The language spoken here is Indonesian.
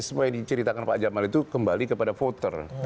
semua yang diceritakan pak jamal itu kembali kepada voter